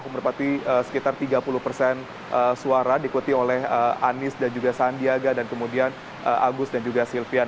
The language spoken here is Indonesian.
merpati sekitar tiga puluh persen suara diikuti oleh anies dan juga sandiaga dan kemudian agus dan juga silvian